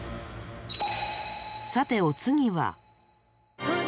さてお次は。